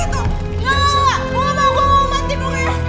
enggak enggak enggak gue mau gue mau mati dulu kei